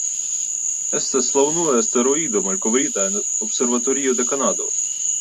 Estas la unua asteroido malkovrita en observatorio de Kanado.